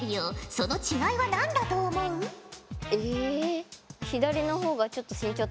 その違いは何だと思う？え？